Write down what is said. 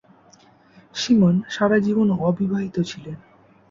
Simon সারাজীবন অবিবাহিত ছিলেন।